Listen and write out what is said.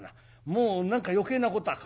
もう何か余計なことは考えない。